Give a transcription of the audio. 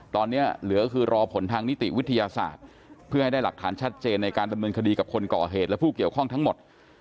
ตอนนี้เหลือคือรอผลทางนิติวิทยาศาสตร์เพื่อให้ได้หลักฐานชัดเจนในการดำเนินคดีกับคนก่อเหตุและผู้เกี่ยวข้องทั้งหมด